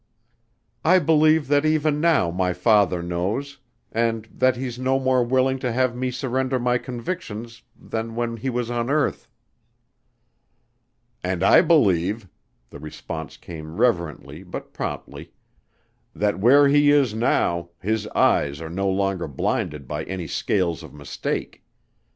"I believe that even now my father knows and that he's no more willing to have me surrender my convictions than when he was on earth." "And I believe," the response came reverently but promptly, "that where he is now his eyes are no longer blinded by any scales of mistake.